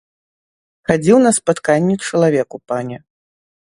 Хадзіў на спатканне чалавеку, пане.